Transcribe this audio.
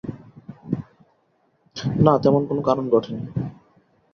না, তেমন কোনো কারণ ঘটে নি।